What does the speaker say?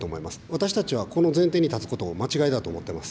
私たちはこの前提に立つことを間違いだと思っています。